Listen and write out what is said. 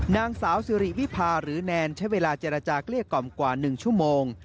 นางสาวสิริวิพาหรือแนนใช้เวลาเจรจาเกลี้ยกล่อมกว่า๑ชั่วโมง